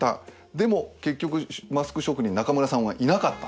でも結局マスク職人中村さんはいなかった。